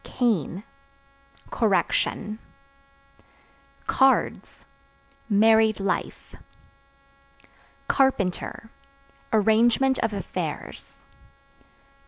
Cane Correction. Cards Married life. Carpenter Arrangement of affairs.